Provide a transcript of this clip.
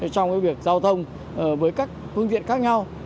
trong việc giao thông với các phương tiện khác nhau